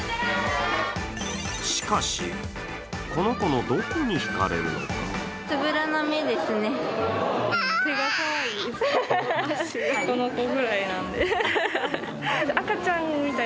しかし、この子のどこにひかれるのか？